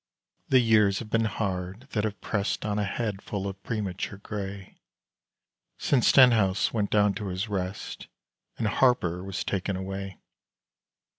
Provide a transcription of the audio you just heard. The years have been hard that have pressed On a head full of premature grey, Since Stenhouse went down to his rest, And Harpur was taken away.